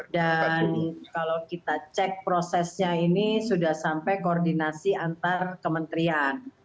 kalau kita cek prosesnya ini sudah sampai koordinasi antar kementerian